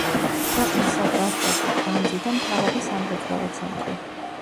ქვეყნის სატრანსპორტო კვანძი და მთავარი სამრეწველო ცენტრი.